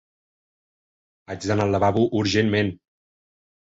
Haig d'anar al lavabo urgentment.